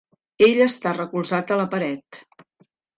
Ell està recolzat a la paret.